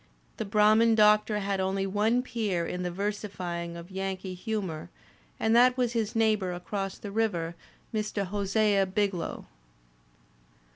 The Brah man Doctor had only one peer in the versifying of Yankee humour and that was his neighbour across the river, Mr. Hosea Biglow.